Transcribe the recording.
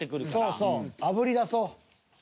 そうそうあぶり出そう。